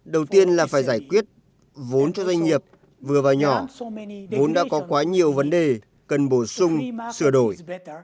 đầu tiên là phải giải quyết vốn cho doanh nghiệp vừa và nhỏ vốn đã có quá nhiều vấn đề cần bổ sung sửa đổi